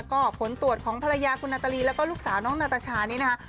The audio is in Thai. ก็ผลตรวจของภรรยาคุณนาตาลีแล้วก็ลูกสาวน้องนาตาชานี้นะคะ